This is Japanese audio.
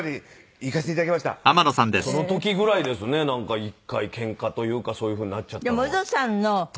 その時ぐらいですね１回ケンカというかそういうふうになっちゃったのは。